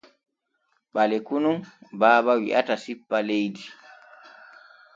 Ɓaleku nun Baaba wi’ata sippa leydi.